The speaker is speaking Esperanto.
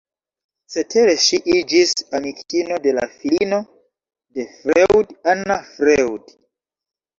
Cetere ŝi iĝis amikino de la filino de Freud, Anna Freud.